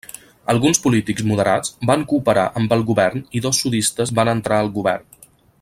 Alguns polítics moderats van cooperar amb el govern i dos sudistes van entrar al govern.